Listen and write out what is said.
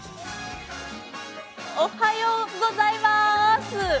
おはようございます！